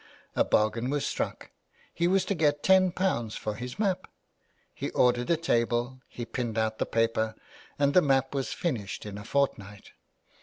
A bargain was struck ! he was to get ten pounds for his map ! He ordered a table ; he pinned out the paper, and the map was finished in a fortnight.